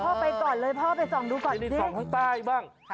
เอาพ่อไปก่อนเลยพ่อมาซองก่อนดินี่เข้ารถ